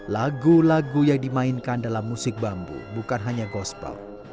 lagu lagu yang dimainkan dalam musik bambu bukan hanya gospel